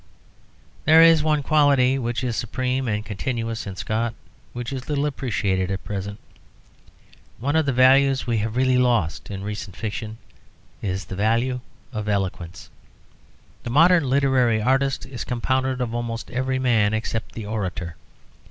There is one quality which is supreme and continuous in Scott which is little appreciated at present. One of the values we have really lost in recent fiction is the value of eloquence. The modern literary artist is compounded of almost every man except the orator.